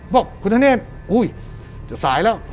บอกคุณฐนเนษย์สายแล้ว